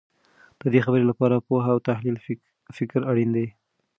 د دې خبر لپاره پوهه او تحلیلي فکر اړین دی.